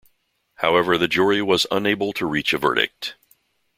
However, the jury was unable to reach a verdict.